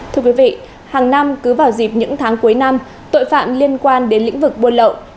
thưa quý vị hàng năm cứ vào dịp những tháng cuối năm tội phạm liên quan đến lĩnh vực buôn lậu